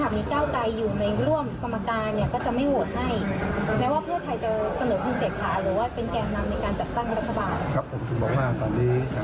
หรือว่าเป็นแก่งนำในการจัดตั้งรัฐบาล